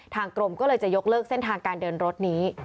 ทางกรมก็เลยจะยกเลิกเส้นทางการเดินรถนี้